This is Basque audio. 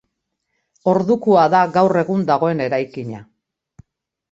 Ordukoa da gaur egun dagoen eraikina.